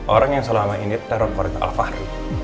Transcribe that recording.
orang yang selama ini teror korek al fahr